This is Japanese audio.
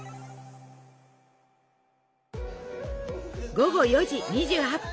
午後４時２８分！